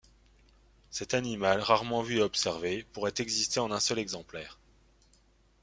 Cet animal, rarement vu et observé, pourrait exister en un seul exemplaire.